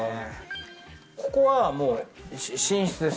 ここはもう寝室です。